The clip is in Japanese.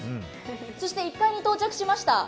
そして１階に到着しました。